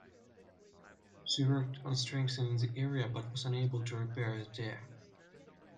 She worked on strengthening the area, but was unable to repair the tear.